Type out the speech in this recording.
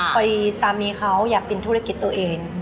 สามีเขาอยากเป็นธุรกิจตัวเอง